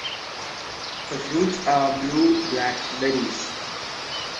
The fruits are blue-black berries.